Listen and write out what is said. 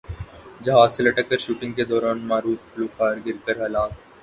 جہاز سے لٹک کر شوٹنگ کے دوران معروف گلوکار گر کر ہلاک